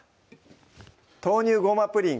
「豆乳ごまプリン」